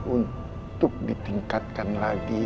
untuk ditingkatkan lagi